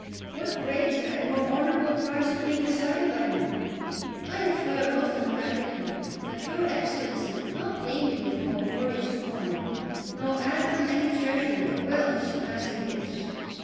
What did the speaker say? What greater and more honourable prize could be desired by me? I affirm most emphatically that your Excellency could not pay me with more glorious coin, nor add from any treasury a wealth surpassing this.